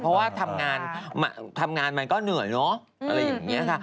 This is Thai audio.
เพราะว่าทำงานทำงานมันก็เหนื่อยเนอะอะไรอย่างนี้ค่ะ